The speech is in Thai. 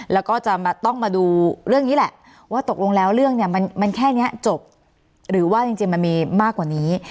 แล้วก็จะต้องมาดูเรื่องนี้แหละว่าตกลงแล้วเรื่องเนี่ยมันแค่นี้จบหรือว่าจริงมันมีมากกว่านี้